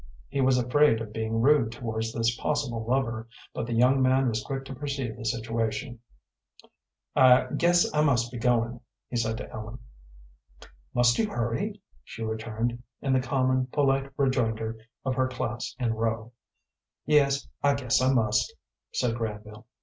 He was afraid of being rude towards this possible lover, but the young man was quick to perceive the situation. "I guess I must be going," he said to Ellen. "Must you hurry?" she returned, in the common, polite rejoinder of her class in Rowe. "Yes, I guess I must," said Granville.